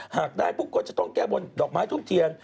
หากได้ปุ๊บก็จะต้องแก้บนดอกไม้ทุ่มเทียน